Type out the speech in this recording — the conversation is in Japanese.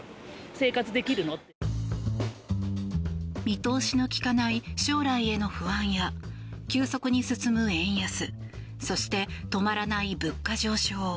見通しの利かない将来への不安や急速に進む円安そして、止まらない物価上昇。